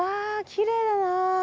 きれいだな。